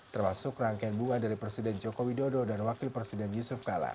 termasuk rangkaian bunga dari presiden joko widodo dan wakil presiden yusuf kala